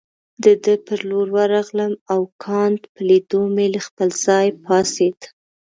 د ده پر لور ورغلم او کانت په لیدو مې له خپل ځای پاڅېد.